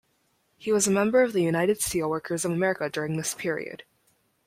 He was a member of the United Steelworkers of America during this period.